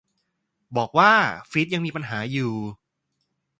บอกว่า ฟีดยังมีปัญหาอยู่